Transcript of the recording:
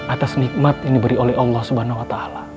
atas nikmat yang diberi oleh allah swt